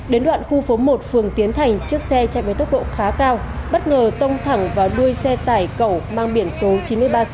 đến đoạn khu phố một phường tiến thành chiếc xe chạy với tốc độ khá cao bất ngờ tông thẳng vào đuôi xe tải cầu mang biển số chín mươi ba c năm nghìn sáu trăm năm mươi